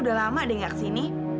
udah lama deh nggak kesini